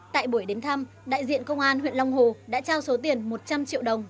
tại buổi đến thăm đại diện công an huyện long hồ đã trao số tiền một trăm linh triệu đồng